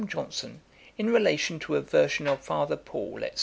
Johnson, in relation to a version of Father Paul, &c.